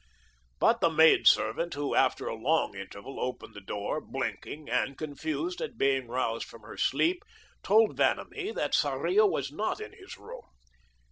But the maid servant, who, after a long interval opened the door, blinking and confused at being roused from her sleep, told Vanamee that Sarria was not in his room.